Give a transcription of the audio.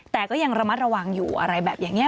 แต่ก็ยังระมัดระวังอยู่อะไรแบบนี้